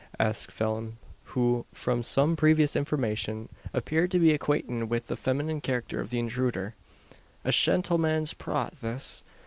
asked Phelim, who, from some previous information, appeared to be acquainted with the feminine character of the intruder. "A shentlemans prot this."